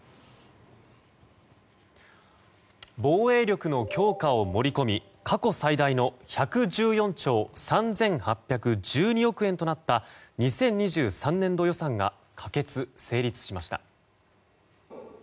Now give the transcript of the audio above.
防衛力の強化を盛り込み過去最大の１１４兆３８１２億円となった２０２３年度予算が可決・成立しました。